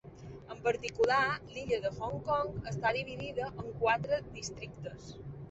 En particular, l'illa de Hong Kong està dividida en quatre districtes.